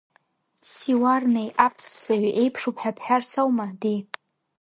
Сиуарнеи аԥссаҩи еиԥшуп ҳәа бҳәарц аума, ди?